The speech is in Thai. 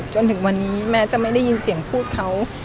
จนถึงวันนี้แม้จะไม่ได้ยินเสียงพูดเขา